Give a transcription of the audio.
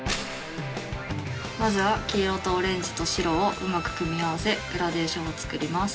まずは黄色とオレンジと白をうまく組み合わせグラデーションを作ります。